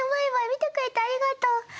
見てくれてありがとう！